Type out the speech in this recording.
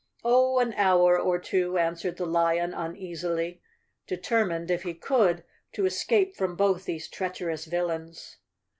"Oh, an hour or two," answered the lion uneasily, de¬ termined, if he could, to escape from both of these treacherous villains.